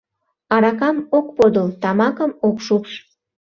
Аракам ок подыл, тамакым ок шупш.